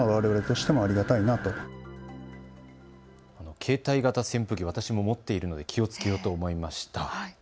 携帯型扇風機、私も持っているので気をつけようと思いました。